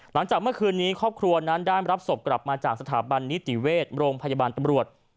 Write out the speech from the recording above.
หลังจากเมื่อคืนนี้ครอบครัวนั้นได้รับศพกลับมาจากสถาบันนิติเวชโรงพยาบาลตำรวจ